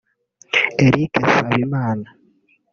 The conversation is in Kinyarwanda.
Eric Nsabimana